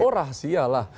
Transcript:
oh rahasia lah